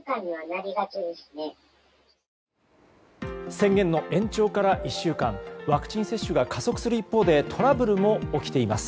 宣言の延長から１週間ワクチン接種が加速する一方でトラブルも起きています。